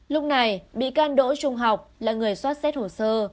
lúc này bị can đỗ trung học là người xoát xét hồ sơ